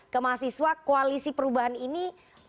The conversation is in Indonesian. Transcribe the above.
ke mahasiswa koalisi perubahan ini